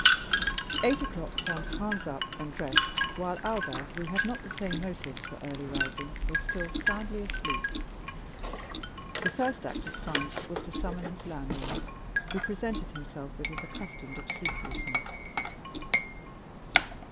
Eight o'clock found Franz up and dressed, while Albert, who had not the same motives for early rising, was still soundly asleep. The first act of Franz was to summon his landlord, who presented himself with his accustomed obsequiousness.